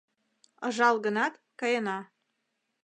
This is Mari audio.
Ыжал гынат, каена